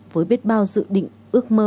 với biết bao dự định ước mơ